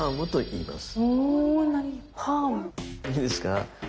いいですか？